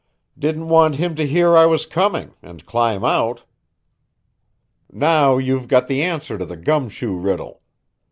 Didn't want him to hear I was coming and climb out. Now you've got the answer to the gumshoe riddle.